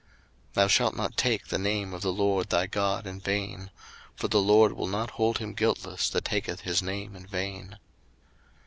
02:020:007 Thou shalt not take the name of the LORD thy God in vain; for the LORD will not hold him guiltless that taketh his name in vain.